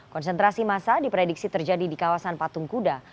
konsentrasi massa diprediksi terjadi di kawasan patung kuda